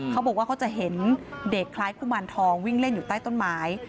เขาบอกว่าเขาจะเห็นเด็กคล้ายกุมารทองวิ่งเล่นอยู่ใต้ต้นไม้